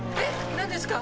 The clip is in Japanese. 何ですか？